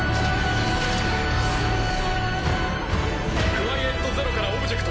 クワイエット・ゼロからオブジェクト。